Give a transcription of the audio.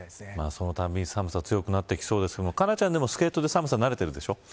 その後、寒さが強くなってきそうですが佳菜ちゃんはスケートで寒さ、慣れてるでしょ。